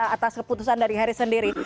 atas keputusan dari harry sendiri